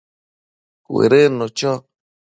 Cuëdënnu cho